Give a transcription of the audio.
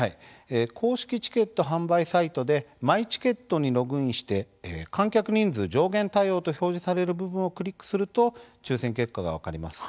公式チケット販売サイトでマイチケットにログインして観客人数上限対応と表示される部分をクリックすると抽せん結果が分かります。